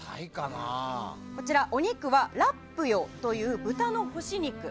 こちら、お肉はラップヨという豚の干し肉。